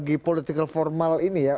terutama bagi politik formal ini ya